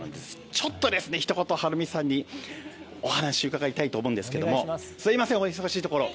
ちょっとひと言、治美さんにお話を伺いたいと思うんですけどすみません、お忙しいところ。